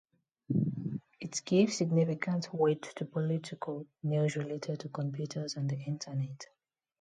It gives significant weight to "political" news related to computers and the Internet.